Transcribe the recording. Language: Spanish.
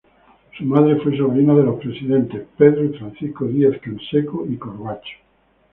Su madre fue sobrina de los presidentes Pedro y Francisco Diez-Canseco y Corbacho.